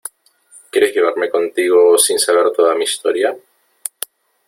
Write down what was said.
¿ quieres llevarme contigo sin saber toda mi historia ?